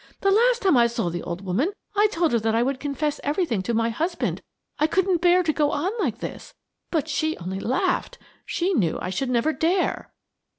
The last time I saw the old woman I told her that I would confess everything to my husband–I couldn't bear to go on like this. But she only laughed; she knew I should never dare."